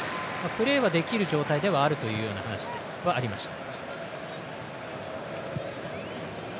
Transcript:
プレーはできる状態ではあるという話はありました。